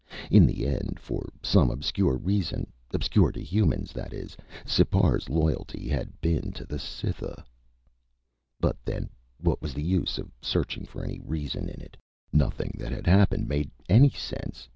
In the end, for some obscure reason obscure to humans, that is Sipar's loyalty had been to the Cytha. But then what was the use of searching for any reason in it? Nothing that had happened made any sense.